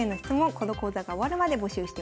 この講座が終わるまで募集しております。